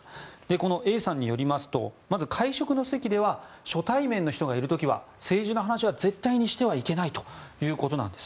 このＡさんによりますとまず会食の席では初対面の人がいる時は政治の話は絶対にしてはいけないと。